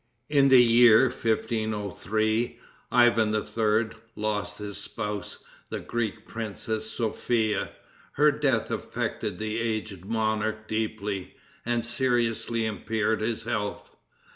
In the year 1503, Ivan III. lost his spouse, the Greek princess Sophia. Her death affected the aged monarch deeply, and seriously impaired his health.